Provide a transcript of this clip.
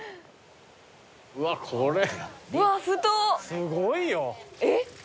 すごいよ！えっ？